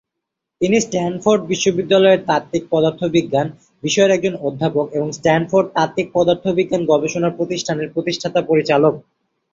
তিনি স্ট্যানফোর্ড বিশ্ববিদ্যালয়ের তাত্ত্বিক পদার্থবিজ্ঞান বিষয়ের একজন অধ্যাপক এবং স্ট্যানফোর্ড তাত্ত্বিক পদার্থবিজ্ঞান গবেষণা প্রতিষ্ঠানের প্রতিষ্ঠাতা পরিচালক।